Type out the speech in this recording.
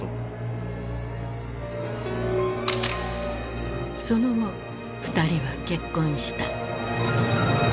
その後２人は結婚した。